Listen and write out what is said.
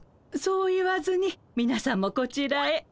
そう言わずにみなさんもこちらへ。